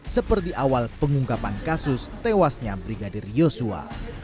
seperti awal pengungkapan kasus tewasnya brigadir yosua